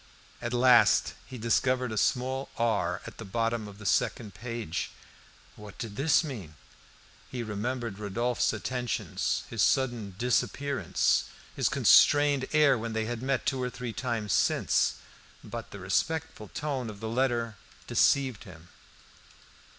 At last he discovered a small R at the bottom of the second page. What did this mean? He remembered Rodolphe's attentions, his sudden, disappearance, his constrained air when they had met two or three times since. But the respectful tone of the letter deceived him.